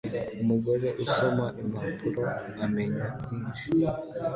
Umugore usoma impapuro amenya byinshi